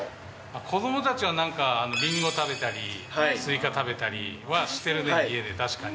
子どもたちはなんか、リンゴ食べたり、スイカ食べたりはしてるね、家で確かに。